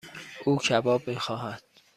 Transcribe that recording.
او کباب میخواهد.